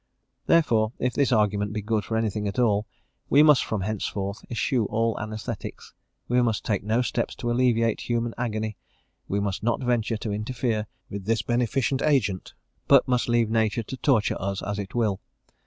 Therefore, if this argument be good for anything at all, we must from henceforth eschew all anaesthetics, we must take no steps to alleviate human agony, we must not venture to interfere with this beneficent agent, but must leave nature to torture us it will.